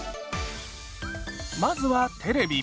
まずはテレビ。